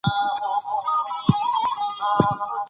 ځمکه د افغان ځوانانو لپاره دلچسپي لري.